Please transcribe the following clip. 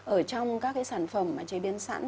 ở trong các sản phẩm chế biến sẵn